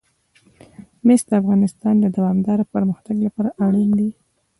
مس د افغانستان د دوامداره پرمختګ لپاره اړین دي.